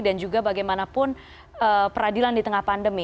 dan juga bagaimanapun peradilan di tengah pandemi